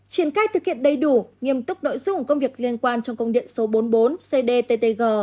triển khai thực hiện đầy đủ nghiêm túc nội dung công việc liên quan trong công điện số bốn mươi bốn cdttg